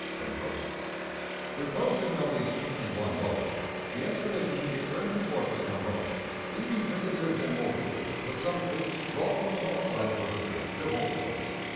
Reposing on these cheaply won laurels, the expedition returned to Fortress Monroe, leaving Brigadier General Viele, with some troops brought from the north side of the river, to hold the place.